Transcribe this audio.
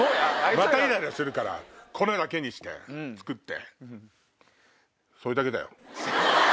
またイライラするから粉だけにして作って。